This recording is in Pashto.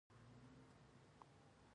د روغتیايي خدماتو لګښت لوړ دی